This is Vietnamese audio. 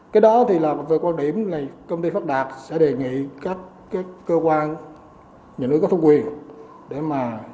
cái đó thì là quan điểm này công ty pháp đạt sẽ đề nghị các cơ quan nhà nước có thông quyền để mà